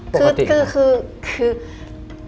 ปกติค่ะ